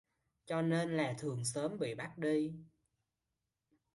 cho nên là thường sớm bị bắt đi